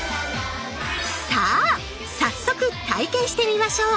さあ早速体験してみましょう。